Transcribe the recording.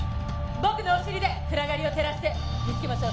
僕のお尻で暗がりを照らして見つけましょう。